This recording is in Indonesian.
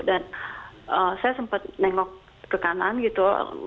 dan saya sempat nengok ke kanan gitu